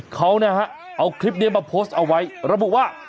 เขานะฮะเอาคลิปนี้มาโพสต์เอาไว้ระบุว่า